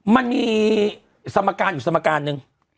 มันมีสมการอยู่นึง